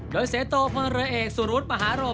โดยเศรษฐพลังเรียเอกสุรุทธมหาโรม